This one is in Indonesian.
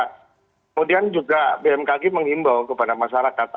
kemudian juga bmkg mengimbau kepada masyarakat